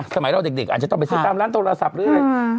สมัยเราเด็กอาจจะต้องไปซื้อตามร้านโทรศัพท์หรืออะไร